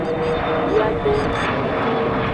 Wiaden.